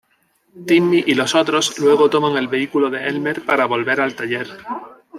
Timmy y los otros luego toman el vehículo de Elmer para volver al taller.